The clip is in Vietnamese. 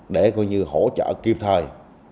để hỗ trợ kiếm thời